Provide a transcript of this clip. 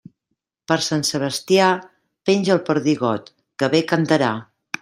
Per Sant Sebastià, penja el perdigot, que bé cantarà.